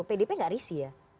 pdp gak risih ya